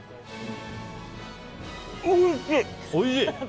おいしい！